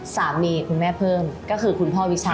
คุณแม่เพิ่มก็คือคุณพ่อวิชา